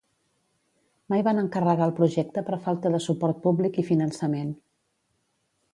Mai van encarregar el projecte per falta de suport públic i finançament.